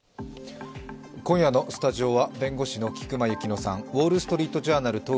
今夜のスタジオは弁護士の菊間千乃さん「ウォールストリート・ジャーナル」